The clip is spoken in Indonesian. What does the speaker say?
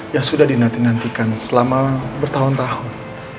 yang sudah dinantikan selama bertahun tahun